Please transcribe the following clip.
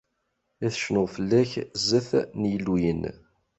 Ad cnuɣ fell-ak zdat n yilluyen.